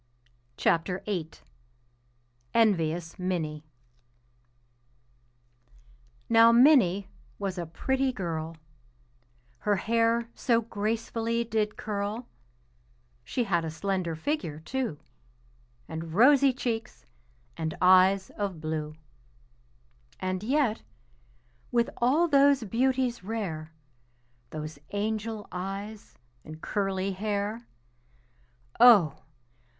ENVIOUS MINNIE Now Minnie was a pretty girl, Her hair so gracefully did curl; She had a slender figure, too, And rosy cheeks, and eyes of blue. And yet, with all those beauties rare, Those angel eyes and curly hair, Oh!